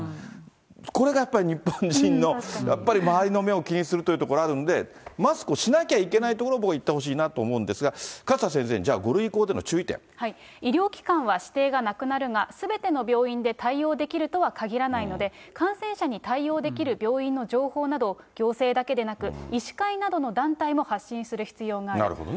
これがやっぱり日本人の、やっぱり周りの目を気にするというところあるんで、マスクをしなきゃいけないところを、僕言ってほしいなと思うんですが、勝田先生に、医療機関は指定がなくなるが、すべての病院で対応できるとはかぎらないので、感染者に対応できる病院の情報などを行政だけでなく医師会などのなるほどね。